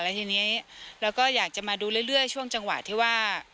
แล้วทีนี้เราก็อยากจะมาดูเรื่อยช่วงจังหวะที่ว่า